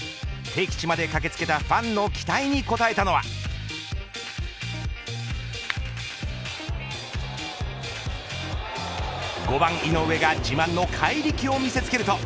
敵地まで駆け付けたファンの期待に応えたのは５番井上が自慢の怪力を見せ付けると。